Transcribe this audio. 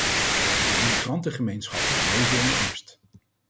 De immigrantengemeenschappen leven in angst.